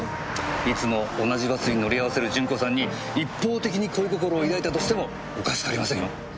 いつも同じバスに乗り合わせる順子さんに一方的に恋心を抱いたとしてもおかしくありませんよ。